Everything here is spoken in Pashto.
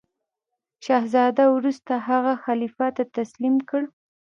شهزاده وروسته هغه خلیفه ته تسلیم کړ.